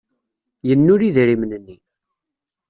Yennul idrimen-nni.